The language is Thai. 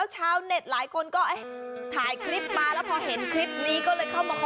อ๋อจำได้ละ